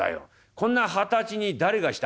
「こんな二十歳に誰がした？」。